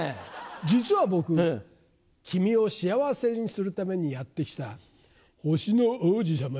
実は僕君を幸せにするためにやって来た星の王子様なんだ。